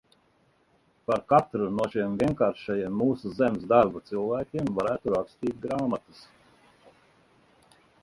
Par katru no šiem vienkāršajiem mūsu zemes darba cilvēkiem varētu rakstīt grāmatas.